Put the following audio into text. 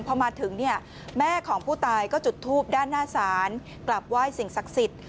พอมาถึงเนี่ยแม่ของผู้ตายก็จุดทูปด้านหน้าศาลกลับไหว้สิ่งศักดิ์สิทธิ์